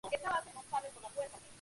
Amir Alexander, Infinitesimal.